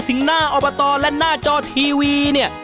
ถึงหน้าอบตและหน้าจอทีวีเนี่ย